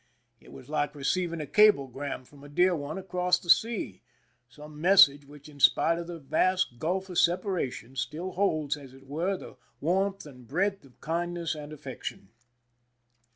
It was like receiving a cablegram from a dear one across the sea— some message which, in spite of the vast gulf of separa tion, still holds, as it were, the warmth and breadth of kindness and affection.